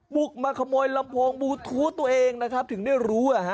บุกมาขโมยลำโพงบลูทูธตัวเองนะครับถึงได้รู้